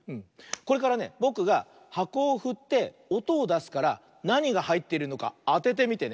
これからねぼくがはこをふっておとをだすからなにがはいっているのかあててみてね。